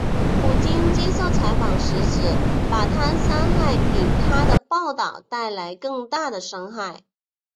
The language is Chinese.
普京接受采访时指把她杀害比她的报导带来更大的伤害。